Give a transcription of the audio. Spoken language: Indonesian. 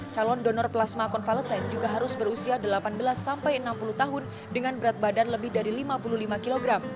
calon donor plasma konvalesen juga harus berusia delapan belas sampai enam puluh tahun dengan berat badan lebih dari lima puluh lima kg